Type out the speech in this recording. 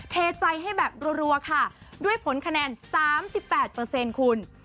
เทใจให้แบบรัวค่ะด้วยผลคะแนนสามสิบแปดเปอร์เซ็นต์คุณ